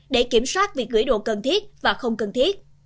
để kiểm soát việc gửi đồ cần thiết và không cần thiết